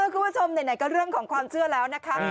คุณผู้ชมไหนก็เรื่องของความเชื่อแล้วนะคะ